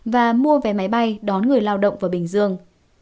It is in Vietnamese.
và mua vé máy bay đón người lao động vào bình dương